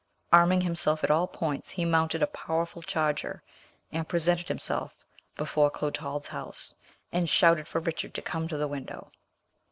Arming himself at all points he mounted a powerful charger, and presented himself before Clotald's house, and shouted for Richard to come to the window.